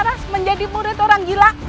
kau harus berharap menjadi murid orang gila